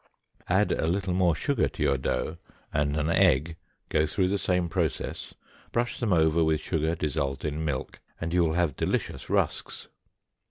Add a little more sugar to your dough and an egg, go through the same process, brush them over with sugar dissolved in milk, and you will have delicious rusks.